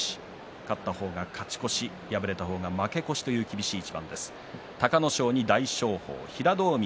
勝った方が勝ち越し負けた方が負け越しという厳しい一番です。